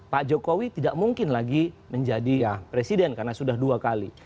pak jokowi tidak mungkin lagi menjadi presiden karena sudah dua kali